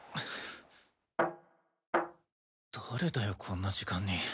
誰だよこんな時間に。